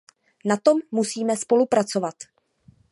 Na tom musíme spolupracovat.